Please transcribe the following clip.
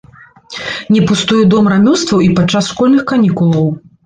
Не пустуе дом рамёстваў і падчас школьных канікулаў.